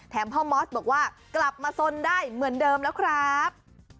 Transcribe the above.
พ่อมอสบอกว่ากลับมาสนได้เหมือนเดิมแล้วครับ